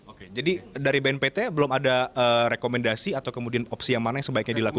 oke jadi dari bnpt belum ada rekomendasi atau kemudian opsi yang mana yang sebaiknya dilakukan